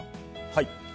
はい。